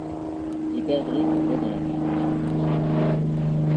Les perdrix couraient dans la plaine.